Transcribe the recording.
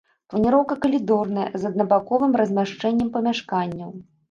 Планіроўка калідорная, з аднабаковым размяшчэннем памяшканняў.